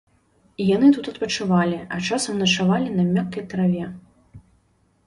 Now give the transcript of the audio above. Яны тут адпачывалі, а часам начавалі на мяккай траве.